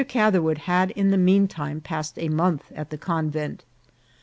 Catherwood had in the mean time passed a month at the convent.